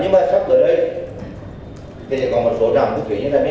nhưng mà sắp tới đây thì còn một số trạm phục vụ như thế này